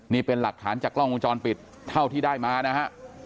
นี่เป็นหลักฐานจากกล้องวงจรปิดเท่าที่ได้มานะฮะ